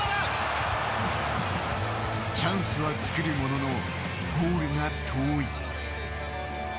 チャンスはつくるもののゴールが遠い。